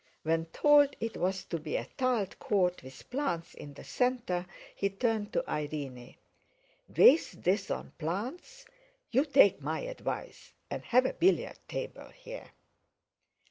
When told it was to be a tiled court with plants in the centre, he turned to Irene: "Waste this on plants? You take my advice and have a billiard table here!"